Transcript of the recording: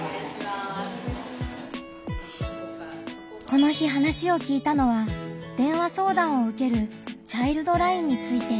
この日話を聞いたのは電話相談を受けるチャイルドラインについて。